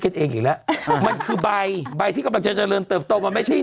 กันเองอีกแล้วมันคือใบใบที่กำลังจะเจริญเติบโตมันไม่ใช่